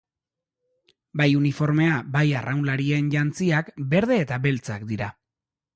Bai uniformea, bai arraunlarien jantziak berde eta beltzak dira.